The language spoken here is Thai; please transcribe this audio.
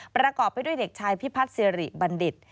ประกอบไปด้วยเด็กชายพิพัฒน์สิริบัณฑิต